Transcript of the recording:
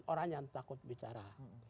orang yang takut bicara